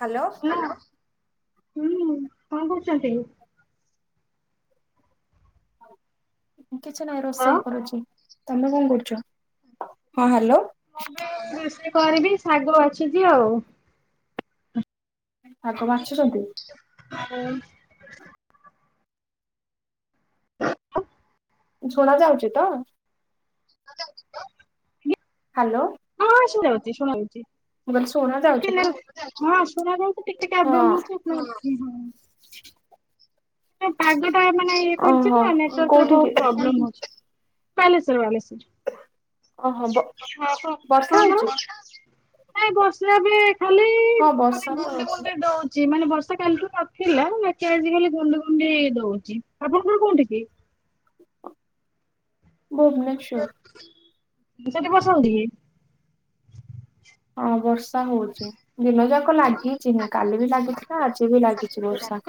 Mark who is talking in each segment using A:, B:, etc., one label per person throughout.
A: Hello.
B: ହେଲା ହୁଁ କଣ କରୁଚନ୍ତି?
A: କିଛି ନାହିଁ
B: ହଁ
A: ରୋଷେଇ କରୁଛି ତମେ କଣ କରୁଚ ହଁ ହାଲୋ।
B: ମୁଁ ବି ରୋଷେଇ କରିବି ଶାଗ ବାଛୁଚି ଆଉ।
A: ଶାଗ ବାଛୁଚନ୍ତି।
B: ଆଉ।
A: ଶୁଣା ଯାଉଚି ତ?
B: ଆଉ ଜାଉଚି ତ।
A: ହାଲୋ।
B: ଶୁଣାଯାଉଚି ଶୁଣାଯାଉଚି।
A: ମୁଁ କହିଲି ଶୁଣା
B: ଟିକେ
A: ଯାଉଛି ତ?
B: ନାଗୁ ହଁ ଶୁଣା ଯାଉଚି ଠିକ୍ ଠିକ୍
A: ହଁ
B: ଆବେଲେମେ ହଉଛି ଆଉ। ଘଟିବନି ଏ ପାଗଟା ତା ମାନେ ଇଏ
A: ଓହୋ
B: କରଛିନା ନେଟୱାର୍କ ରେ
A: କୋଉଠିକି
B: ବହୁତ ପ୍ରୋବ୍ଲେମ ହୋଉଛି ବାଲେଶ୍ୱର ବାଲେଶ୍ୱର।
A: ଓହୋ ବ
B: ହଁ ଆପଣ
A: ବର୍ଷା ହଉଛି
B: ପଣଙ୍କର ନାଇଁ ବର୍ଷା ବି ଖାଲି
A: ହଁ
B: ମୁଁ
A: ବର୍ଷା
B: କହିଲି
A: ତ
B: ଗୁଣ୍ଡି
A: ହଉଛି
B: ଗୁଣ୍ଡି ଦୋଉଚି। ଚି ମାନେ ବର୍ଷା କାଲିଠୁ ନଥିଲା ବାକି ଆଜି ଖାଲି ଗୁଣ୍ଡି ଗୁଣ୍ଡି ଦୋଉଚି ଆପଣଙ୍କର ଘର କୋଉଠି କି?
A: ଭୁବନେଶ୍ୱର।
B: ସେଠି ବର୍ଷା ହୋଉଚି କି?
A: ହଁ ବର୍ଷା ହୋଉଚି ଦିନ ଯାକ ଲାଗି ହୋଉଚି ହୁଁ କାଲି ବି ଲାଗୁଥିଲା ଆଜି ବି ଲାଗୁଚି ବର୍ଷା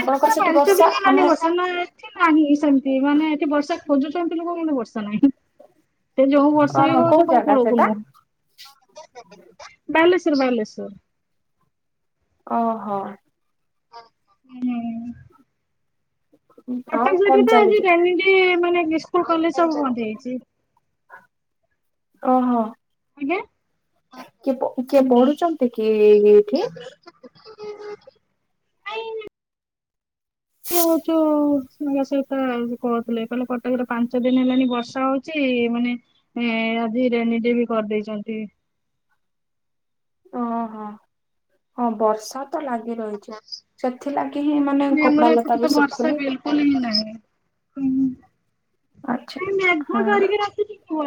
A: ଆପଣଙ୍କର ସେଠି ବର୍ଷା ମାନେ
B: ମାନେ ଏଠି ନାହିଁ ସେମିତି ମାନେ ଏଠି ବର୍ଷା ଖୋଜୁଚନ୍ତି ଲୋକ କିନ୍ତୁ ବର୍ଷା ନାହିଁ। ସେ ଯୋଉ ବର୍ଷା ବି
A: ଓହୋ
B: ହୋଉଛି କୋଉ
A: ଜାଗା
B: କୂଳକୁ
A: ସେଟା
B: ନୁହଁ। ବାଲେଶ୍ଵର ବାଲେଶ୍ଵର।
A: ଓହୋ।
B: ହୁଁ।
A: ଆଉ
B: କଟକ ସାଇଟ୍
A: କଣ
B: ରେ ତ ଆଜି
A: ଚାଲିଛି
B: ଟ୍ରେନିଗ୍ ମାନେ ସ୍କୁଲ କଲେଜ୍ ସବୁ ବନ୍ଦ ହେଇଚି।
A: ଓହୋ
B: ଆଜ୍ଞା
A: କିଏ କିଏ ପଢୁଚନ୍ତି କି ଏ ଏଇଠି?
B: ଇଏ ହୋଉଚୁ ସେ ପା କହୁଥିଲେ କହିଲେ କଟକରେ ପାଞ୍ଚ ଦିନ ହେଲାଣିି ବର୍ଷା ହୋଉ ଚି ମାନେ ଆଜି ରେନିଡେ ବି କରିଦେଇଚନ୍ତି।
A: ଓହୋ ହଁ ବର୍ଷା ତ ଲାଗି ରହିଚି। ସେଥିଲାଗି ହିଁ ମାନେ କପଡା ଲତା ବି ଶୁଖୁନି।
B: ଶୁଖୁହିଁ ନାହିଁ ହୁଁ।
A: ଆଚ୍ଛା
B: ଏ ମେଘୁଆ
A: ହଁ।
B: ଧରିକି ରଖିଚି ସୁ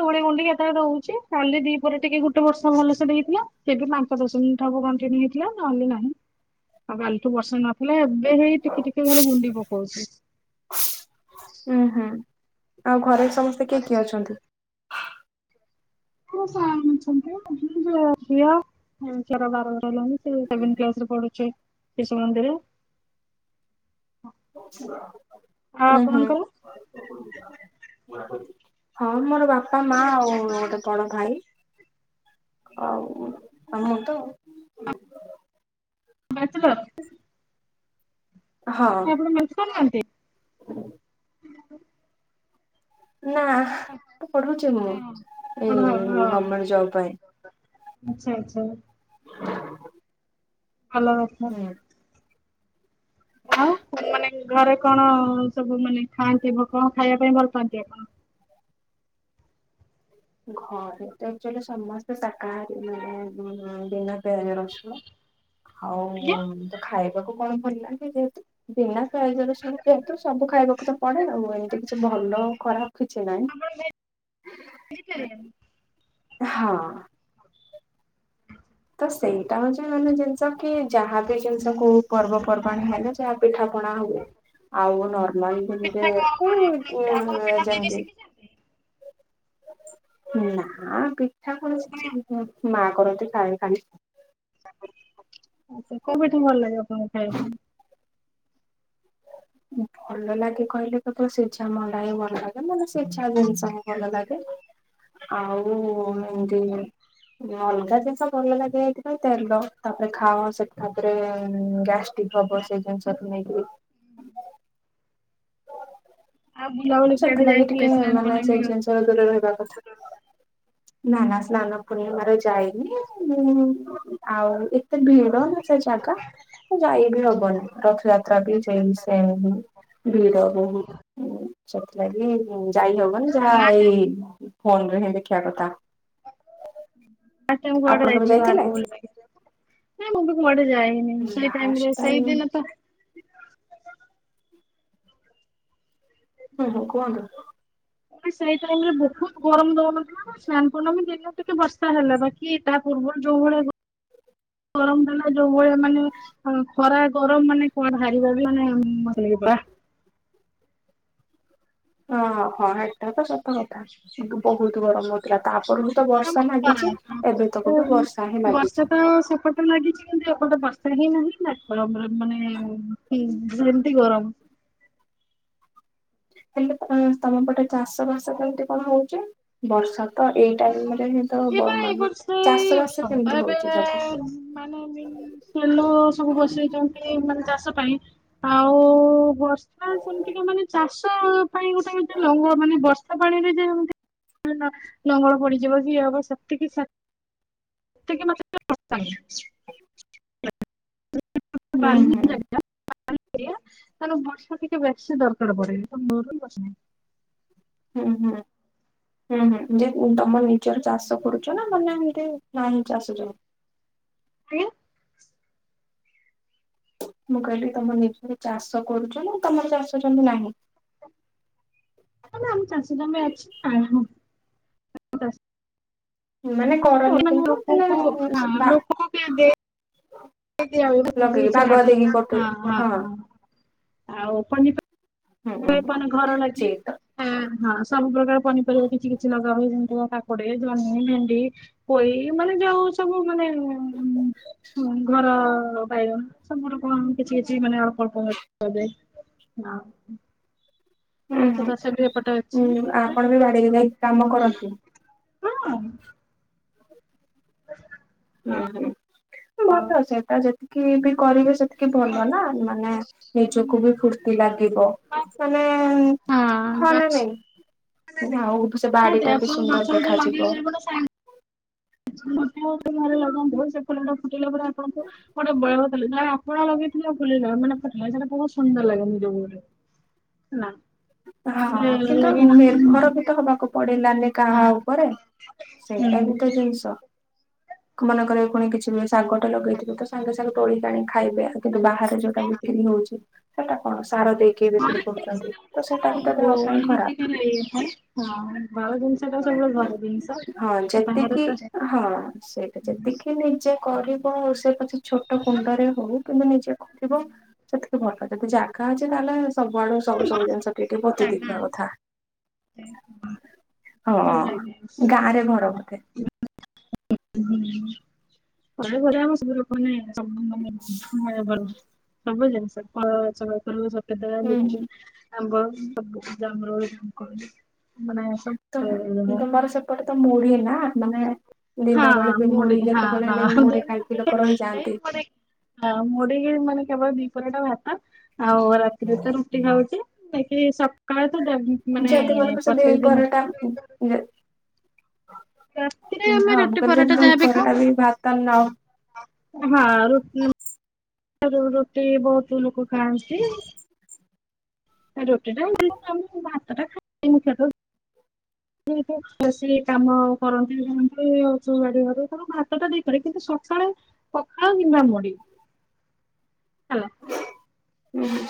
B: ଧୂଳି ଗୁଣ୍ଡି କେତେବେଳେ ଦଉଚି କାଲି ଦିଇପରେ ଟିକେ ଗୋଟେ ବର୍ଷା ଭଲସେ ଦେଇଥିଲା ଏବେ ପା ପାଞ୍ଚ ଦଶ ମିନିଟ୍ ହବ କଣ୍ଟିନିଉ ହୋଇଥିଲା ନହେଲେ ନାହିଁ ଆଉ କାଲିଠୁ ବର୍ଷା ନ ଥିଲା ଏବେ ହେଇ ଟିକେ ଟିକେ ଖାଲି ଗୁଣ୍ଡି ପକୋଉଚି।
A: ଉଁ ହୁଁ ଆଉ ଘରେ ସମସ୍ତେ କିଏ କିଏ ଅଛନ୍ତି?
B: ମୋ ସ୍ବାମୀ ଅଛନ୍ତି ମୋ ଝିଅ ମୋ ଝିଅର ବାର ବର୍ଷ ହେଲାଣି ସେ ସେଭେନ୍ କ୍ଲାସରେ ପଢୁଛି ଶିଶୁମନ୍ଦିରରେ।
A: ଉଁ
B: ଆଉ
A: ହୁଁ।
B: ଆପଣଙ୍କର
A: ହଁ ମୋର ବାପା ମା ଆଉ ଗୋଟେ ବଡ ଭାଇ। ଆଉ ମୁଁ ତ।
B: ବ୍ୟାଚଲର୍?
A: ହଁ।
B: ମ୍ୟାରେଜ୍ କରିନାହାନ୍ତି?
A: ହୁଁ [inaudible] ନା ପଢୁଚି ମୁଁ ଏଇ
B: ହଁ ହଁ
A: ଗଭର୍ମେଣ୍ଟ ଜବ ପାଇଁ।
B: ଆଚ୍ଛା ଆଚ୍ଛା। ଭଲ କଥା।
A: ହୁଁ।
B: ଆଉ ମାନେ ଘରେ କଣ ସବୁ ମାନେ ଖାଆନ୍ତି କଣ ଖାଇବା ପାଇଁ ଭଲ ପାଆନ୍ତି ଆପଣ?
A: ଘରେ ଆକ୍ଚୁଆଲି ସମସ୍ତେ ଶକାହାରୀ। ମାନେ ବିନା ପିଆଜ ରସୁଣ। ଆଉ
B: ଆଜ୍ଞା
A: ତ ଖାଇବାକୁ କଣ ଭଲଲାଗେ ଯେହେତୁ ବିନା ପିଆଜ ରଶୁଣରେ ଯେହେତୁ ସବୁ ଖାଇବାକୁ ତ ପଡେ। ଆଉ ଏମିତି କିଛି ଭଲ ଖରାପ କିଛି ନାହିଁ।
B: [unintelligible]
A: ହଁ। ତ ସେଇଟା ହଉଛି ମାନେ ଜିନିଷ କି ଯାହାବି ଜିନିଷ କୁ ପର୍ବ ପର୍ବାଣି ହେଲେ ଯାହା ପିଠାପଣା ହୁଏ। ଆଉ ନର୍ମାଲି ଯେମତି
B: ପିଠା କଣ କଣ ଆପଣ ଆପଣ
A: ଯେ
B: ପିଠା ତିଆରି
A: ଯେମତି
B: ଶିଖିଛନ୍ତି?
A: ନା ପି ପିଠା ପୁଣି
B: ମାନେ
A: ଶିଖିନି ମା କରନ୍ତି ପାଣି ପାଣି।
B: ଆଛା। କୋଉ ପିଠା ଭଲ ଲାଗେ ଆପଣଙ୍କୁ ଖାଇବା ପାଇଁ?
A: ଭଲ ଲାଗେ କହିଲେ ତ ସିଝା ମଣ୍ଡା ହିଁ ଭଲ ଲାଗେ। ମାନେ ସିଝା ଜିନିଷ ହିଁ ଭଲ ଲାଗେ। ଆଉ ମୁଁ ଯେ ଅଲଗା ଜିନିଷ ଭଲ ଲାଗେ। ଏଇଥିପାଇଁ ତେଲ ତାପରେ ଖାଅ। ସେଠି ତାପରେ ଗ୍ୟାଷ୍ଟିକ ହବ ସେ ଜିନିଷକୁ ନେଇକିରି।
B: ଆଉ ବୁଲାବୁଲି କୁଆଡେ
A: ସେଥିଲାଗି
B: ଯାଇଥିଲେ
A: ଟିକେ
B: ସ୍ନାନ
A: ମାନେ
B: ପୂର୍ଣ୍ଣମୀ
A: ସେଇ
B: ର?
A: ଜିନିଷ ରେ ଦୂର ରହିବା କଥା। ନା ନା ସ୍ନାନ ପୂର୍ଣ୍ଣିମ ର ଯାଇନି। ଆଉ ଏତେ ଭିଡ଼ ନା ସେ ଜାଗା। ଯାଇ ବିି ହବନି। ରଥଯାତ୍ରା ବି ଯାଇ ସେମ ଭିଡ ବହୁତ। ସେଥିଲାଗି ଯାଇହବନି ଯାହା ଏଇ ଫୋନରେ ହିଁ ଦେଖିବା କଥା।
B: [unintelligible] ମୁଁ
A: ଆପଣ
B: କୁଆଡେ
A: କେବେ
B: ଯାଇନଥିଲି
A: ଯାଇଥିଲେ?
B: ବାହାରକୁ ବଲିବା ପାଇଁ ନାଁ ମୁଁ ବି କୁଆଡେ ଯାଇନି। ସେଇ ଟାଇମ
A: ଲାଷ୍ଟ
B: ରେ
A: ଟାଇମ୍
B: ସେଇଦିନ ତ
A: ହୁଁ ହୁଁ କୁହନ୍ତୁ।
B: ସେଇ ଟାଇମରେ ବହୁତ ଗରମ ଦଉନଥିଲା। ସ୍ନାନ ପୂଣ୍ଣମୀ ଦିନ ଟିକେ ବର୍ଷା ହେଲା। ବାକି ତା ପୂର୍ବରୁ ଯୋଉ ଭଳି ଗରମ ଦେଲା। ଯୋଉ ଭଳିଆ ମାନେ ହଁ ଖରା ଗରମ ମାନେ କଣ ହାରିବା ବି ମାନେ ମଲେ ପୁରା ବାଃ
A: ହଁ ହଁ ହଁ
B: [unintelligible]
A: ଏଟା ତ ସତ କଥା। କିନ୍ତୁ ବହୁତ ଗରମ ହଉଥିଲା ତାପରଠୁ ତ ବର୍ଷା ଲାଗିଛି ଏବେ ତକ ବି ବର୍ଷା ହିଁ ଲାଗିଛି।
B: ବର୍ଷା ତ ସେପେଟ ଲାଗିଛି କି ଏପଟେ ବର୍ଷା ହିଁ ନାହିଁ। ନା ଗରମରେ ମାନେ ସେମତି ଗରମ
A: ହେଲେ ତମ ପଟେ ଚାଷ ବାସ କେମତି କଣ ହଉଛି? ବର୍ଷା ତ ଏଇ ଟାଇମ ରେ ହଁ ତ
B: ଏଇବା ଏ
A: ମାନେ
B: ବର୍ଷ ଏଇ
A: ଚାଷ ବାସ
B: ସବୁ ତ
A: କେମିତି
B: ଏବେ
A: ହଉଛି ସପଟେ।
B: ମାନେ ତେଲ ସବୁ ବସେଇଛନ୍ତି। ମାନେ ଚାଷ ପାଇଁ। ଆଉ ବର୍ଷା ନା ସେମିତିକା ମାନେ ଚାଷ ପାଇଁ ଗୋଟେ ଲଙ୍ଗଳ। ମାନେ ବର୍ଷା ପାଣିରେ ଯେମତି ଲଙ୍ଗଳ ପଡିଯିବ କି ଇଏ ହବ ସେଫ୍ଟି କି [unintelligible]
A: [unintelligible]
B: [unintelligible] ତାହେଲେ
A: ହୁଁ ହୁଁ
B: ବର୍ଷା ଦିନ ବେଶି ଟିକେ ଦରକାର ପଡେ।
A: ହୁଁ- ହୁଁ- ହୁଁ-ହୁଁ। ଯେ ତମର ନିଜର ଚାଷ କରୁଛ। ନା ମାନେ ଏମତି ନାଇଁ ଚାଷ କରୁଛୁ।
B: ଆଜ୍ଞା
A: ମୁଁ କହିଲି ତମର ନିଜ ଚାଷ କରୁଛ। ନା ତମର ଚାଷ ଜମି ନାହିଁ।
B: ଆମ ଚାଷ ଜମି ଅଛି। ଆ
A: ମାନେ କରନି କିନ୍ତୁ ମାନେ ଭା
B: [unintelligible] ହଁ
A: ଲଗେଇକି ଭାଗୁଆ ଦେଇକି
B: ହଁ
A: କରୁଛନ୍ତି
B: ହଁ ଆଉ ପନିପରିବା
A: ହୁଁ ହୁଁ ହୁଁ
B: [unintelligible] ଘର ଲାଗି
A: ସେଇ ତ
B: ହଁ, ହଁ ସବୁ ପ୍ରକାର ପନିପରିବା କିଛି କିଛି ଲଗା ହୁଏ। ଯେମିତି-କାକୁଡି, ଜହ୍ନି, ଭେଣ୍ଡି। ପୋଇ ମାନେ ଯୋଉ ସବୁ ମାନେ ଘର ପାଇ ସମର କଣ କିଛି କିଛି ମାନେ ଅଳ୍ପ ଅଳ୍ପ
A: ହୁଁ
B: ମାଛ
A: ହୁଁ
B: ଚାଷ ବି ଏପଟ ଅଛି
A: ହୁଁ ଆପଣ ବି ବାଡିରେ ଯାଇ କାମ କରନ୍ତି।
B: ହଁ।
A: ହୁଁ ହୁଁ ଭଲ ସେଟା ଯେତିକି ବି କରିବେ ସେତିକି ଭଲ ନା। ନା ନିଜକୁ ବି ଫୁର୍ତ୍ତି ଲାଗିବ ମାନେ ହଁ ନାଇଁ ନାଇଁ ଆ ସେ ବାଡି ଟା ବି ସୁନ୍ଦର ଦେଖାଯିବ।
B: ମୁ ତ ସାଙ୍ଗ ଘରେ ଲଗନ୍ତୁ ସେ ଫୁଲ ଟା ଫୁଟିଲା ପରେ ଆପଣଙ୍କୁ ଗୋଟେ ବୟଥିଲା ଯାହା ଆପଣା ଲଗେଇଥିଲା ବୁଲିବା [unintelligible] ବୋହୁତ ସୁନ୍ଦର ଲାଗେ ନିଜ ଗୋଟେ ନା।
A: ହଁ କିନ୍ତୁ ନିର୍ଭର
B: ହଁ ଘର
A: ବି ତ ହବାକୁ ପଡିଲାନି କାହା ଉପରେ। ସେଇଟା ବି ତ ଜିନିଷ, ମାନଙ୍କରେ ପୁଣି କିଛି ବ୍ୟ ଶାଗଟା ଲଗେଇଥିବେ ତ ସାଙ୍ଗେ ସାଙ୍ଗେ ତୋଳିକି ଆଣି ଖାଇବେ, ଆଉ କିନ୍ତୁ ବାହାରେ ଯୋଉଟା ବିକ୍ରି ହୋଉଚି ସେଟା କଣ ସାର ଦେଇକି ବିକ୍ରି କରୁଚନ୍ତି।
B: ହଁ [unintelligible] ଥାଏ ହଁ ଘର ଜିନିଷ ଟା ସବୁବେଳେ ଭଲ ଜିନିଷ।
A: ହଁ
B: ବାହାର
A: ଯେତିକି
B: ତ
A: ହଁ ସେଇଟା ଯେତିକି ନିଜେ କରିବ ସେ ପଛ ଛୋଟ କୁଣ୍ଡରେ ହୋଉ କିନ୍ତୁ ନିଜେ କରିବ ସେତିକି ଭଲ। ଯଦି ଜାଗା ଅଛି ତାହେଲେ ସବୁଆଡୁ ସବୁ ସବୁ ଜିନିଷ ପିଠି ପତେଇ ଦେଇଥିବା କଥା। ହଁ ଗାଁ ରେ ଘର ବୋଧେ?
B: [unintelligible] ସବୁ ଲୋକ ମାନେ ସବୁ ଲୋକ ନା ହଁ ଭଲ ସବୁ ଜିନିଷ କଳ [unintelligible]
A: ହୁଁ
B: ଲୁଚି ଆମ୍ବ ସବୁ ଜମର [unintelligible]
A: ତକୁ ତମର ସେପଟେ ତ ମୁଢି ନା? ମାନେ
B: ହଁ
A: ଦିନ ବେଳେ ବି ମୁଢି
B: ହଁ
A: ଯେତେବେଳେ ହେଲେ ବି
B: ହଁ
A: ମୁଢି ଖାଇକି ଲୋକ ରହିଯାଆନ୍ତି।
B: ହ ମୁଡିକି ମାନେ କେବଳ ଦିପହର ଟା ଭାତ ଆଉ ରାତିରେ ତ ରୁଟି ଖାଉଚି। କେ ସକାଳେ ତ [unintelligible]
A: ଯେତେ [unintelligible] ଏଇ
B: ପ୍ରତ୍ୟେକ ଦିନ
A: ପହରଟା।
B: ରାତିରେ ଆମେ
A: ହଁ ମୁଁ
B: ରୁଟି
A: କହିଲି
B: ପରଟା
A: ଯଦି
B: ଯାହାବି ଖାଉ
A: ପରଟା ବି ଭାତ ନ [unintelligible]
B: ହଁ ର ରୁଟି ରୁଟି ବୋହୁତ ଲୋକ ଖାଆନ୍ତି। ରୁଟି ଟା ଆ ଭାତ ଟା ଖାଇ [unintelligible] ମୁଖ୍ୟତ। ସେ ସେ କାମ କରନ୍ତି ଯାନ୍ତି [unintelligible] ଗାଡି ଘରେ ତାଙ୍କୁ ଭାତ ଟା ଦେଇପାରେ କିନ୍ତୁ ସକାଳେ ପଖଳ କିମ୍ବା ମୁଢ଼ି ହେଲା।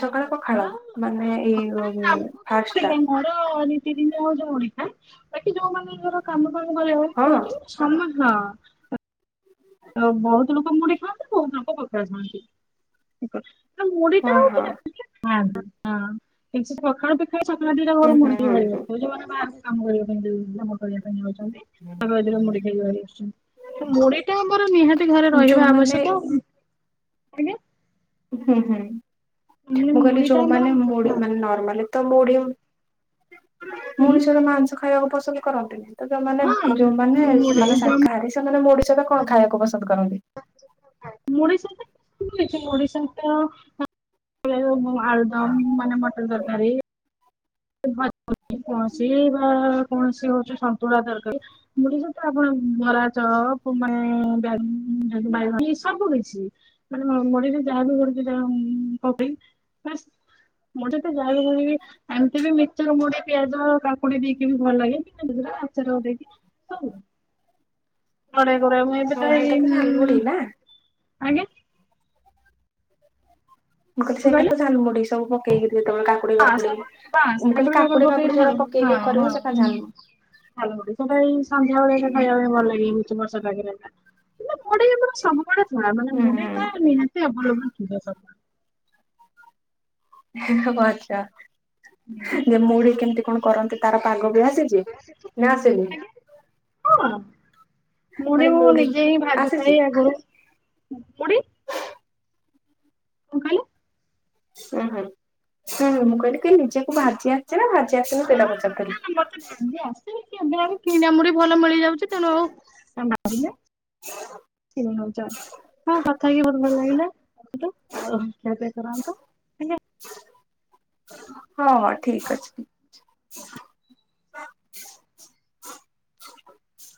A: ସକାଳ ପଖାଳ ମାନେ ଏଇ
B: ପଖାଳ ଆମକୁ
A: ଫାଷ୍ଟ ଟା।
B: ତ ନୀତିଦିନ ଆଉ ଯାଉନି ଆ ବାକି ଯୋଉ ମାନଙ୍କର କାମ ଫାମ [unintelligible] କଣ
A: ହଁ
B: ହୋଉଚି ସମ ହଁ। ଆ ବୋହୁତ ଲୋକ ମୁଡି ଖାଆନ୍ତି ବୋହୁତ ଲୋକ ପଖାଳ ଖାଆନ୍ତି ଠ କ ମୁଡିଟା
A: ହଁ ହଁ
B: [unintelligible] ଖାଆନ୍ତି [unintelligible] ପଖାଳ ସକାଳେ ଦିଟା
A: ହୁଁ
B: ଘରୁ
A: ହୁଁ
B: ମୁଢିକି
A: ହୁଁ ହୁଁ
B: [unintelligible] ଯୋଉମାନେ ବାହାରେ କାମ କରିବା ପାଇଁ କାମ କରିବା ପାଇଁ ଯାଉ ତାରେ ମୁଢ଼ି ଖାଇ ଆସୁଛନ୍ତି ତ ମୁଢି ମୋର ନିହାତି ଘରେ ରହିବା
A: ଯୋଉମାନେ
B: ଆବଶ୍ୟକ ଆଜ୍ଞା।
A: ହୁଁ ହୁଁ
B: ମାନେ
A: ମୁଁ କହିଲି
B: ମୁଢି ଟା ଆମର
A: ଯୋଉମାନେ ମୁଡ ମାନେ ନର୍ମାଲ ତ ମୁ଼ଢି
B: ହୁଁ
A: ମଣିଷ ମାନେ ମାଂସ ଖାଇବାକୁ ପସନ୍ଦ କରନ୍ତିୁନି ତ ଯୋଉମାନେ
B: ହଁ
A: ଯୋଉମାନେ ମାନେ
B: ମୁଢି
A: ଶାକାହାରୀ ସେମାନେ ମୁଢ଼ି ସହିତ କଣ ଖାଇବାକୁ ପସନ୍ଦ କରନ୍ତି?
B: ମୁଢ଼ି ସହିତ [unintelligible] ମୁଢି ସହିତ ଆଳୁଦମ୍ ମାନେ ମଟର ତରକାରୀ ଭଜ କୌଣସି ବା କୌଣସି ହଉଛି ସନ୍ତୁଳା ତରକାରୀ ମୁଡି ସହିତ ଆପଣ ବରା ଚପ ମାନେ [unintelligible] ସବୁ କିଛି। ମାନେ ମୁଢ଼ି ରେ ଯାହା ବି ଗୋଟେ ଦିଟା ପକେଇ [unintelligible] [unintelligible] ସେ ବି ମିଚର୍ ମୁଡି ପିଆଜ କାକୁଡି ଦେଇକି ବି ଭଲ ଲାଗେ ଆଚାର ଦେଇକି
A: ହଁ ହେଇଟା ତ ଝାଲମୁଢି ନା
B: [unintelligible] ଆଜ୍ଞା
A: ମୁଁ କହିଲି
B: କଣ କହିଲେ
A: ସେଇଟା ଝାଲ ମୁଢି ସବୁ ପକେଇକି ଯେତେବେଳେ କା କାକୁଡି
B: ବାସ୍
A: ବାକୁଡି
B: ବାସ୍
A: ମୁଁ କହିଲି କାକୁଡି
B: ପକେଇ
A: ଫାକୁଡି
B: ଝାଲ
A: ଯୋଉଟା ପକେଇକି କରିବ ସେଇଟା
B: ଭଲ ହୁ ସେଟା ଏଇ ସନ୍ଧ୍ୟାବେଳେ ଖାଇବା ପାଇଁ ଭଲ ଲାଗେ ବର୍ଷ ପାଗରେ। ମୁଢ଼ି ଆମର ସବୁବେଳେ ଥୁଆ ମାନେ
A: ହୁଁ
B: ମୁଢ଼ି ଟା ନିହାତି ଆଭଲେବୁଲ୍ ଥିବ ସବୁେବେଳେ।
A: [unintelligible]
B: ସବୁବେଳେ।
A: ଯେ ମୁଢି କେମିତି କଣ କରନ୍ତି ତାର ପାଗ ବି ଆସିଛି ନା ଆସିନି? ହଁ
B: ମୁଢ଼ି ମୁଁ ନିଜେ ହିଁ
A: ଆସିଛି?
B: ଭାଜୁଥାଏ ଆ [unintelligible] ମୁଢ଼ି [unintelligible]
A: ହୁଁ ହୁଁ ହୁଁଁ ମୁଁ କହିଲି କି ନିଜେକୁ ଭାଜି ଆସିଛି ନା ଭାଜି ଆସିିନି ସେଟା ପଚାରୁଥିଲି।
B: ମତେ ଭାଜି ଆସେ। କିଣା ମୁଢ଼ି ଭଲ ମିଳିଯାଉଛି ତେଣୁ ଆଉ [unintelligible] ହଁ କଥା ହେଇକି ବହୁତ ଭଲ ଲାଗିଲା ରଖନ୍ତୁ [unintelligible]
A: ହଁ ହଁ ଠିକ ଅଛି। [unintelligible]